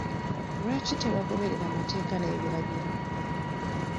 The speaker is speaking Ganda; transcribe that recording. Lwaki tebagoberera mateeka n'ebiragiro?